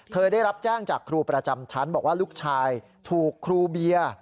ได้รับแจ้งจากครูประจำชั้นบอกว่าลูกชายถูกครูเบียร์